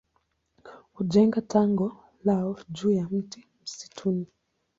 Hujenga tago lao juu ya mti msituni.